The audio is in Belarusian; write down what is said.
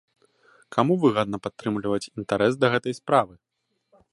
Каму выгадна падтрымліваць інтарэс да гэтай справы?